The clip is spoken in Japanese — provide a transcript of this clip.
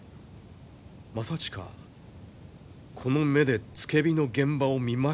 正近この目で付け火の現場を見ましたぞ。